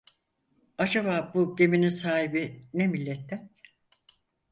Acaba bu geminin sahibi ne milletten?